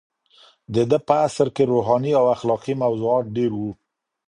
د ده په عصر کې روحاني او اخلاقي موضوعات ډېر وو.